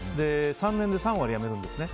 ３年で３割辞めるんですね。